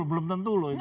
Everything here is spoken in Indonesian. belum tentu loh itu